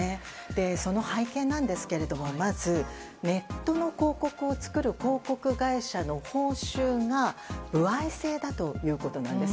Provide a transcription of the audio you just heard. その背景なんですがまず、ネットの広告を作る広告会社の報酬が歩合制だということなんです。